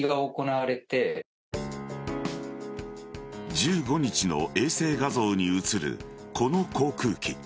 １５日の衛星画像に写るこの航空機。